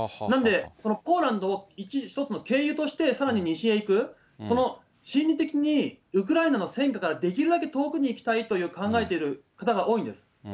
なのでそのポーランドを、一時一つの経由として、さらに西へ行く、その心理的にウクライナの戦禍から、できるだけ遠くに行きたいと考えている方が多いんです。